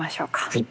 はい。